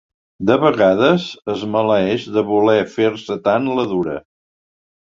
De vegades es maleeix de voler fer-se tant la dura.